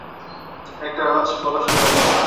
একটা কাগজ কলস নিয়ে বসো।